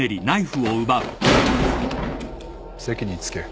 席につけ。